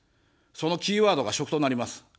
そのキーワードが食となります。